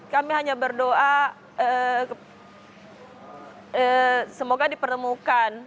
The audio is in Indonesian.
kami hanya berdoa semoga dipertemukan